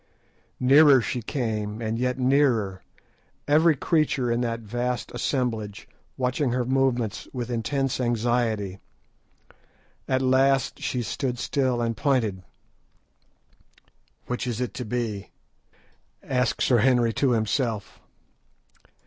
Nearer she came, and yet nearer, every creature in that vast assemblage watching her movements with intense anxiety. At last she stood still and pointed. "Which is it to be?" asked Sir Henry to himself.